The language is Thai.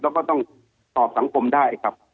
แล้วก็ต้องตอบสังคมได้ครับ